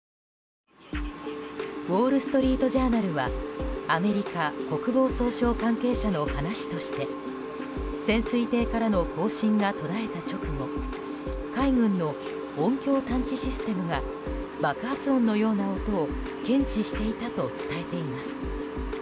ウォール・ストリート・ジャーナルはアメリカ国防総省関係者の話として潜水艇からの交信が途絶えた直後海軍の音響探知システムが爆発音のようなものを検知していたと伝えています。